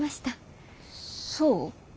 そう？